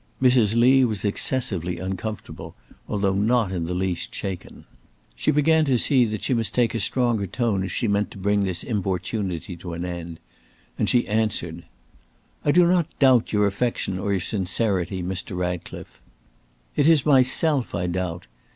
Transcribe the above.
Mrs. Lee was excessively uncomfortable, although not in the least shaken. She began to see that she must take a stronger tone if she meant to bring this importunity to an end, and she answered: "I do not doubt your affection or your sincerity, Mr. Ratcliffe. It is myself I doubt.